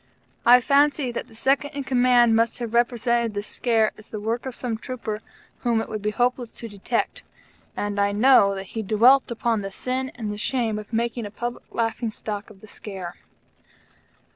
I fancy that the Second in Command must have represented the scare as the work of some trooper whom it would be hopeless to detect; and I know that he dwelt upon the sin and the shame of making a public laughingstock of the scare.